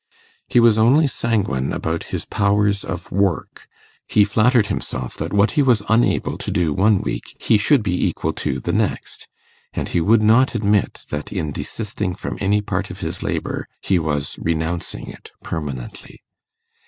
He was only sanguine about his powers of work: he flattered himself that what he was unable to do one week he should be equal to the next, and he would not admit that in desisting from any part of his labour he was renouncing it permanently.